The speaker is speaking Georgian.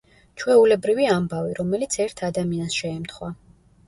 ჩვეულებრივი ამბავი, რომელიც ერთ ადამიანს შეემთხვა.